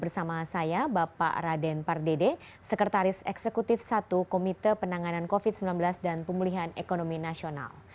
sekretaris eksekutif i komite penanganan covid sembilan belas dan pemulihan ekonomi nasional